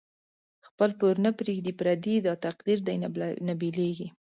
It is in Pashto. خپل پور نه پریږدی پردی، داتقدیر دی نه بیلیږی